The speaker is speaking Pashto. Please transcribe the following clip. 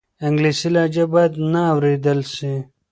انګلیسي لهجه باید نه واورېدل سي.